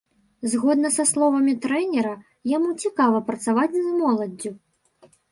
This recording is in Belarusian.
Згодна са словамі трэнера, яму цікава працаваць з моладдзю.